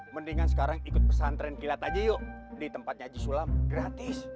mendingan sekarang ikut pesantren kilat aja yuk ditempatnya aja sulam gratis